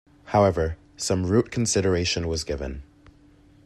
However, some route consideration was given.